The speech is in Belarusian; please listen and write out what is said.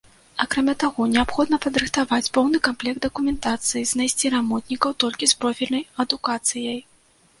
Акрамя таго, неабходна падрыхтаваць поўны камплект дакументацыі, знайсці рамонтнікаў толькі з профільнай адукацыяй.